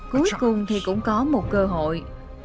cuối cùng thì cũng có một cơ hội